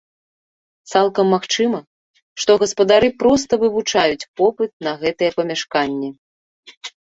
Цалкам магчыма, што гаспадары проста вывучаюць попыт на гэтае памяшканне.